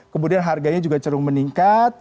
kemudian harganya juga cerung meningkat